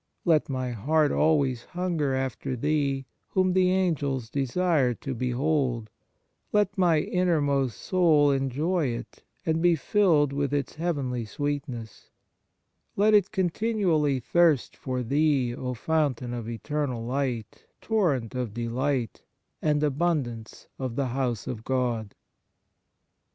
Let my heart always hunger after Thee, whom the Angels desire to behold; let my innermost soul enjoy it and be filled with its heavenly sweet ness; let it continually thirst for Thee, Fountain of eternal light, Torrent of delight, and Abundance of the house of God!"